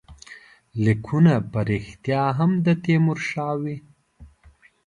لیکونه په ریشتیا هم د تیمورشاه وي.